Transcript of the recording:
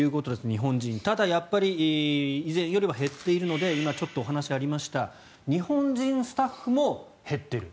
日本人、ただやっぱり以前よりは減っているので今お話がありました日本人スタッフも減っている。